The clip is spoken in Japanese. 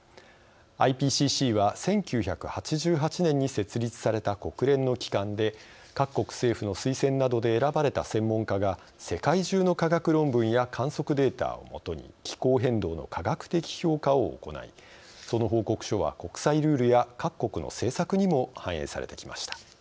ＩＰＣＣは１９８８年に設立された国連の機関で各国政府の推薦などで選ばれた専門家が世界中の科学論文や観測データをもとに気候変動の科学的評価を行いその報告書は国際ルールや各国の政策にも反映されてきました。